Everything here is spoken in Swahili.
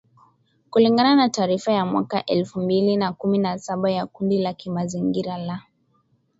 kulingana na taarifa ya mwaka elfu mbili na kumi na saba ya kundi la kimazingira la